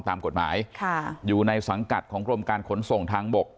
ตามกฎหมายค่ะอยู่ในสังกัดของกรมการขนส่งทางบก